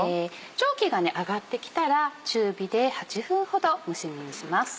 蒸気が上がってきたら中火で８分ほど蒸し煮にします。